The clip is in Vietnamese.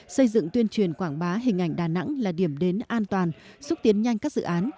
xây dựng tuyên truyền quảng bá hình ảnh đà nẵng là điểm đến an toàn xúc tiến nhanh các dự án